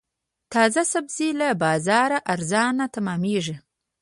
تازه سبزي له بازاره ارزانه تمامېږي.